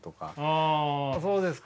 あそうですか。